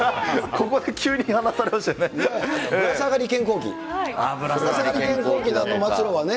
ここは急に離されましたね。